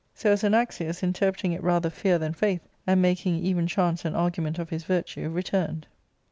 So as Anaxius, interpreting it rather fear than faith, and making even chance an argument of his virtue, returned, and, ARCADIA, ^Bodk III.